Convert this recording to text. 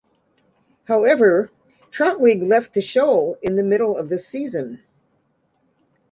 However, Trautwig left the show in the middle of the season.